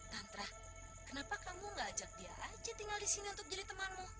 tantra kenapa kamu ngajak dia aja tinggal di sini untuk jadi temanmu